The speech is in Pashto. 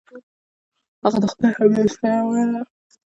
هغه د خدای حمد او ثنا ویله.